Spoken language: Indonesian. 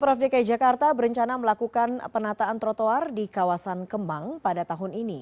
prof dki jakarta berencana melakukan penataan trotoar di kawasan kemang pada tahun ini